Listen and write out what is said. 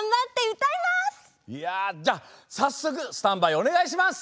いやじゃあさっそくスタンバイおねがいします！